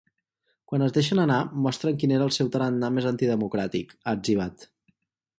Quan es deixen anar mostren quin és el seu tarannà més antidemocràtic, ha etzibat.